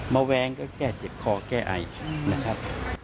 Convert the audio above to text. แวงก็แก้เจ็บคอแก้ไอนะครับ